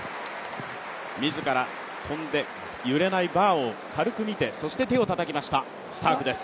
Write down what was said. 自ら跳んで揺れないバーを軽く見てそして手をたたきました、スタークです。